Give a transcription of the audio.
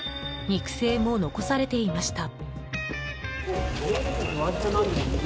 肉声も残されていました。